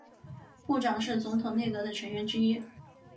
部长是总统内阁的成员之一。